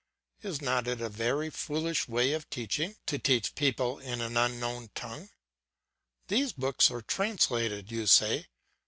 Is not it a very foolish way of teaching, to teach people in an unknown tongue? These books are translated, you say.